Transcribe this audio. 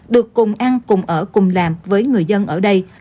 được cùng ăn cùng ở cùng làm với người dân ở đây